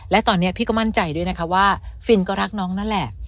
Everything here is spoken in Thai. และตอนนี้พี่ก็มั่นใจด้วยนะคะว่าฟินก็รักน้องนั่นแหละ